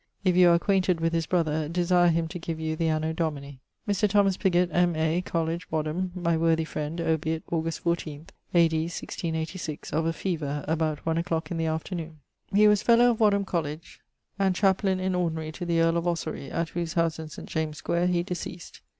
If you are acquainted with his brother, desire him to give you the anno Domini. Mr. Thomas Pigot, M.A. Coll. Wadh., my worthy friend, obiit August 14, A.D. 1686, of a feaver, about one a clock in the afternoon. He was fellow of Wadham College and chaplain in ordinary to the earle of Ossory, at whose house in St. James' Square he deceased.